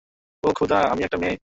ওহ, খোদা, আমি একটা মেয়ে।